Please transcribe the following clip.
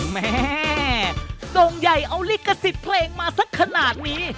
แม่โด่งใหญ่เอาลิขสิทธิ์เพลงมาสักขนาดนี้